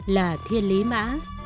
là thiên lý mã